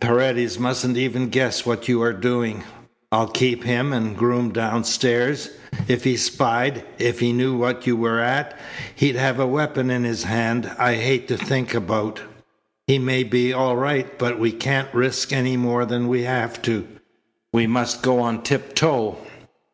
Paredes mustn't even guess what you are doing. I'll keep him and Groom downstairs. If he spied, if he knew what you were at, he'd have a weapon in his hands I'd hate to think about. He may be all right, but we can't risk any more than we have to. We must go on tiptoe."